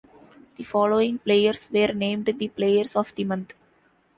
The following players were named the Players of the Month.